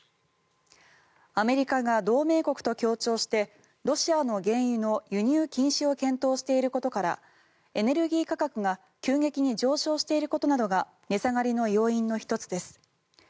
アメリカが同盟国と協調してロシアの原油の輸入禁止を検討していることからエネルギー価格が急激に上昇していることなどが値下がりの要因の１つです。